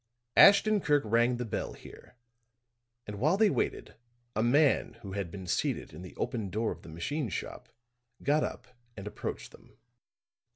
Ashton Kirk rang the bell here, and while they waited a man who had been seated in the open door of the machine shop got up and approached them.